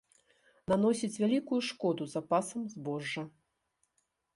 Наносіць вялікую шкоду запасам збожжа.